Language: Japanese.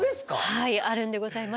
はいあるんでございます。